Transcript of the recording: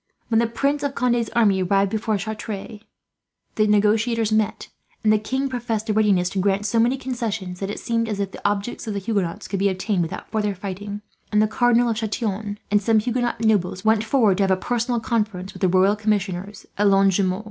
When the Prince of Conde's army arrived before Chartres the negotiators met, and the king professed a readiness to grant so many concessions, that it seemed as if the objects of the Huguenots could be attained without further fighting, and the Cardinal of Chatillon and some Huguenot nobles went forward to have a personal conference with the royal commissioners, at Lonjumeau.